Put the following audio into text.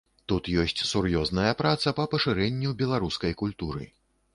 Тут ёсць сур'ёзная праца па пашырэнню беларускай культуры.